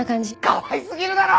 かわいすぎるだろ！